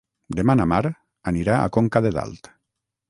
Demà na Mar anirà a Conca de Dalt.